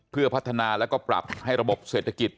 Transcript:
เพื่อพัฒนาแล้วก็ปรับให้ระบบเศรษฐกิจ